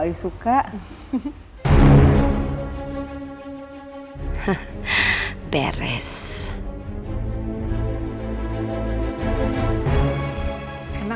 ini bubur kacang ijo yang paling enak yang pernah saya coba